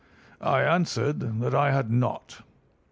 "I answered that I had not.